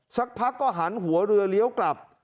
สักพักก็หันหัวเรือเลี้ยวกลับ